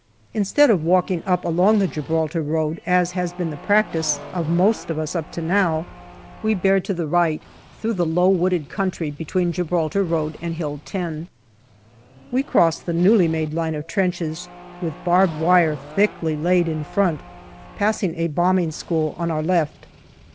Instead of walking up along the Gibraltar road, as has been the practice of most of us up to now, we bear to the right through the low wooded country between Gibraltar road and Hill 10. We cross the newly made line of trenches, with barbed wire thickly laid in front, passing a bombing school on our left.